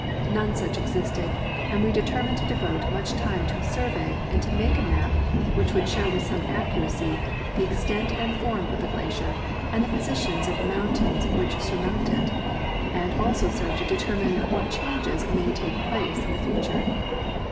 None such existed, and we deter mined to devote much time to a survey and to make a map which would show with some accuracy the extent and form of the glacier and the positions of the mountains which surmount it, and also serve to determine what changes ma}'' take place in the future.